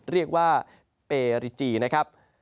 เรียกว่าเปริจีนะครับ